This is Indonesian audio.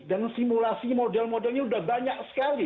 dan simulasi model modelnya sudah banyak sekali